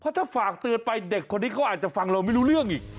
ถ้าฝากเตือนไปเด็กคนนี้เขาอาจจะฟังเราไม่รู้เรื่องอีก